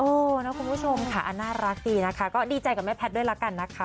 นะคุณผู้ชมค่ะน่ารักดีนะคะก็ดีใจกับแม่แพทย์ด้วยละกันนะคะ